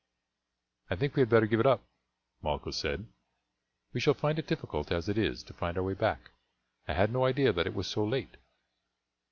"I think we had better give it up," Malchus said; "we shall find it difficult as it is to find our way back; I had no idea that it was so late."